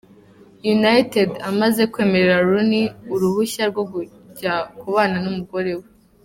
United amaze kwemerera Rooney uruhushya rwo kujya kubana numugore we.